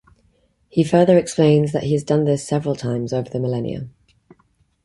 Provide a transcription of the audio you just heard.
He further explains that he has done this several times over the millennia.